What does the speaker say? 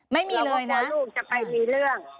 ไม่มีเลยนะเราก็ขอลูกจะไปมีเรื่อง